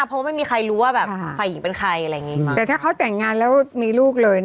เพราะว่าไม่มีใครรู้ว่าแบบฝ่ายหญิงเป็นใครอะไรอย่างนี้แต่ถ้าเขาแต่งงานแล้วมีลูกเลย